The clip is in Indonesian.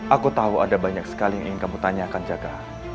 aku tahu ada banyak sekali yang ingin kamu tanyakan jaga